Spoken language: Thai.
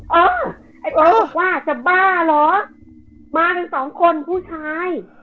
เออไอ้โอ๊บอกว่าจะบ้าเหรอมากันสองคนผู้ชาย